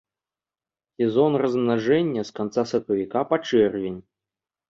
Сезон размнажэння з канца сакавіка па чэрвень.